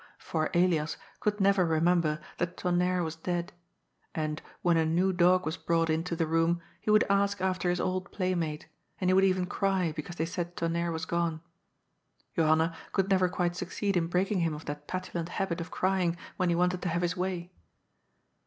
For Elias could never remember that Tonnerre was dead, and, when a new dog was brought into the room, he would ask after his old playmate, and he would even cry because they said Tonnerre was gone. Johanna could never quite succeed in breaking him of that petulant habit of crying when he wanted to have his way.